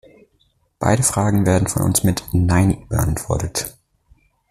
Beide Fragen werden von uns mit "Nein" beantwortet.